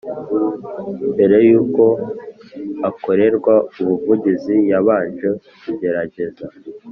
mbere y uko akorerwa ubuvugizi yabanje kugerageza